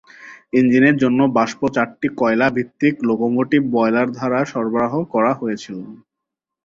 ইঞ্জিনের জন্য বাষ্প চারটি কয়লা ভিত্তিক লোকোমোটিভ বয়লার দ্বারা সরবরাহ করা হয়েছিল।